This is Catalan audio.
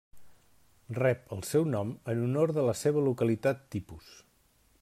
Rep el seu nom en honor de la seva localitat tipus.